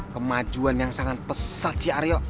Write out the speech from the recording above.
kemajuan yang sangat pesat si aryo